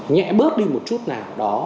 nhẹ bớt đi một chút nào